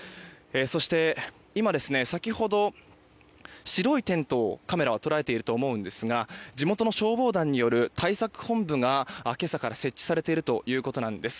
そして、白いテントをカメラは捉えていると思うんですが地元の消防団による対策本部が今朝から設置されているということなんです。